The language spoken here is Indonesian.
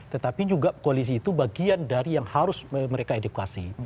tetapi juga koalisi itu bagian dari yang harus mereka edukasi